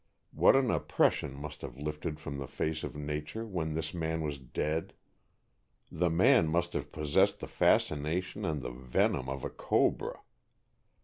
What an oppression must have lifted from the face of nature when this man was dead! The man must have possessed the fascination and the venom of a cobra.